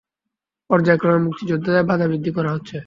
পর্যায়ক্রমে মুক্তিযোদ্ধাদের ভাতা বৃদ্ধি করা হচ্ছে।